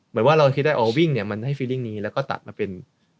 เหมือนว่าเราคิดได้อ๋อวิ่งเนี่ยมันให้ฟีดิ้งนี้แล้วก็ตัดมาเป็น